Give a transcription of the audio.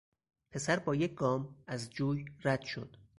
پسر بایک گام از جوی رد شد.